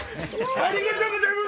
ありがとうございます。